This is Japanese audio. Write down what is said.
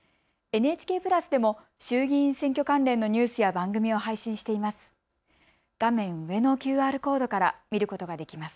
ＮＨＫプラスでも衆議院選挙関連のニュースや番組を配信しています。